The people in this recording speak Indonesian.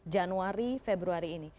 januari februari ini